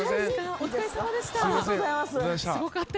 お疲れさまでした。